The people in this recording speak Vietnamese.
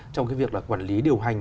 trong cái việc là quản lý điều hành